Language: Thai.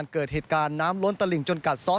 เกิดเหตุการณ์น้ำล้นตลิงจนกัดซ้อ